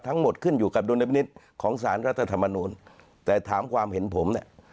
ทั้งหมดขึ้นอยู่กับดุลยพินิษฐ์ของสารรัฐธรรมนูลแต่ถามความเห็นผมเนี่ย